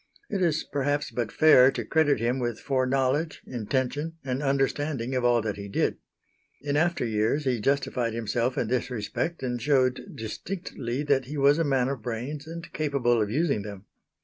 It is perhaps but fair to credit him with foreknowledge, intention, and understanding of all that he did. In after years he justified himself in this respect and showed distinctly that he was a man of brains and capable of using them.